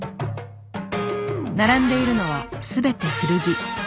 並んでいるのは全て古着。